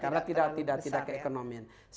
karena tidak keekonominya